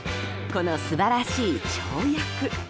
この素晴らしい跳躍。